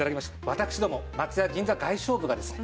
私ども松屋銀座外商部がですね